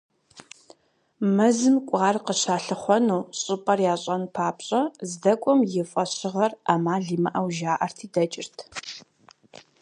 Мэзым кӏуар къыщалъыхъуэну щӏыпӏэр ящӏэн папщӏэ, здэкӏуэм и фӏэщыгъэр, ӏэмал имыӏэу, жаӏэрти дэкӏырт.